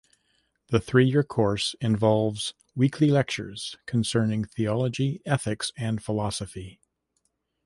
The three-year course involves weekly lectures concerning theology, ethics and philosophy.